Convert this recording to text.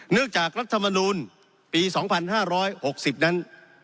นึกจากรัฐมนุนปี๒๕๖๐นั้น